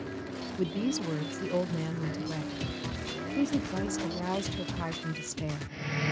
With these words the old man went away. His advice aroused Tokkei from despair.